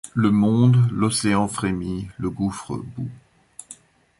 Le monde ; l’océan frémit, le gouffre bout